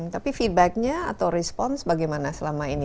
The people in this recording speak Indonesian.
tapi feedbacknya atau respons bagaimana selama ini